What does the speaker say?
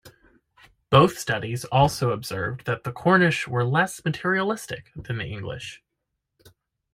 Both studies also observed that the Cornish were less materialistic than the English.